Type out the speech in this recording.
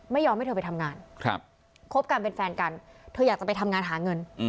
ไม่ยอมให้เธอไปทำงานคบกันเป็นแฟนกันเธออยากจะไปทำงานหาเงิน